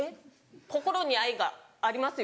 心に愛がありますよ。